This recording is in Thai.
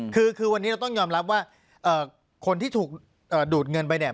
คือวันนี้เราต้องยอมรับว่าคนที่ถูกดูดเงินไปเนี่ย